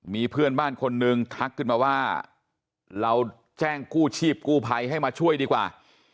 มีเพื่อนบ้านคนนึงทักขึ้นมาว่าเราแจ้งกู้ชีพกู้ภัยให้มาช่วยดีกว่า